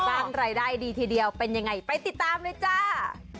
สร้างรายได้ดีทีเดียวเป็นยังไงไปติดตามเลยจ้า